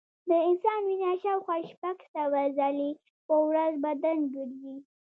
د انسان وینه شاوخوا شپږ سوه ځلې په ورځ بدن ګرځي.